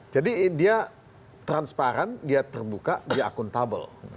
jadi dia transparan dia terbuka dia akuntabel